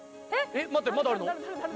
えっ待ってまだあるの？